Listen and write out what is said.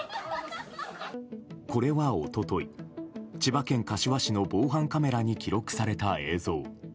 これは一昨日、千葉県柏市の防犯カメラに記録された映像。